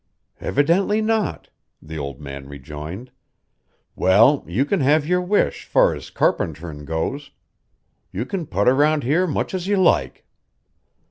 "Evidently not," the old man rejoined. "Well, you can have your wish fur's carpenterin' goes. You can putter round here much as you like."